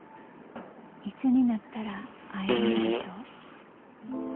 いつになったら会えるのでしょう。